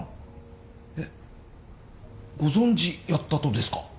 えっご存じやったとですか？